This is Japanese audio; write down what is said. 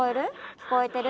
聞こえてる？